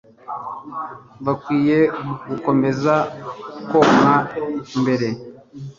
bakwiye gukomeza konka mbere